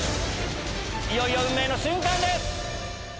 いよいよ運命の瞬間です！